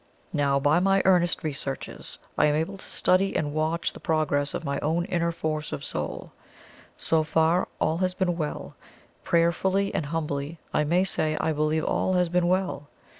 Now, by my earnest researches, I am able to study and watch the progress of my own inner force or soul. So far, all has been well prayerfully and humbly I may say I believe all has been well.